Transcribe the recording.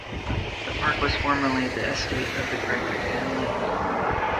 The park was formerly the estate of the Gregory family.